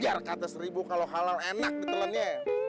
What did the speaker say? biar kata seribu kalau halal enak ditelannya